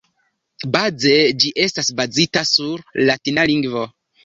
Baze ĝi estas bazita sur latina lingvo.